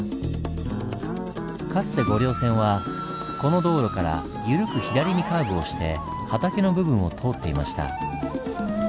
かつて御陵線はこの道路から緩く左にカーブをして畑の部分を通っていました。